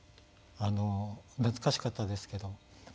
懐かしかったですけど。